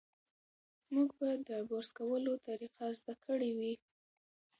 موږ به د برس کولو طریقه زده کړې وي.